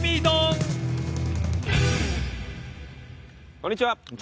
こんにちは。